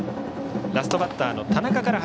ラストバッターの田中から。